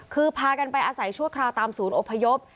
คือพากันไปอาศัยชั่วคราวตามศูนย์อพยพ